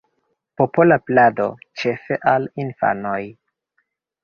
Popola plado, ĉefe al infanoj.